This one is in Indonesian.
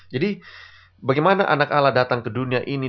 jadi bagaimana anak allah datang ke dunia ini